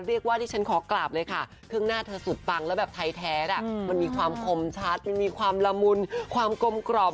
ดิฉันขอกราบเลยค่ะเครื่องหน้าเธอสุดปังแล้วแบบไทยแท้มันมีความคมชัดมันมีความละมุนความกลมกรอบ